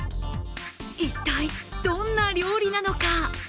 一体、どんな料理なのか。